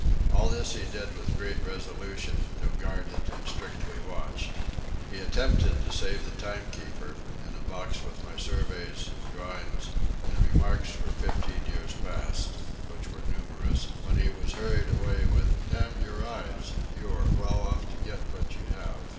All this he did with great resolution, though guarded and strictly watched. He attempted to save the timekeeper, and a box with my surveys, drawings, and remarks for fifteen years past, which were numerous, when he was hurried away, with "Damn your eyes you are well off to get what you have."